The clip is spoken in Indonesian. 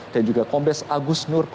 juga kombes agus nur